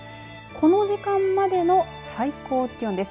この時間までの最高気温です。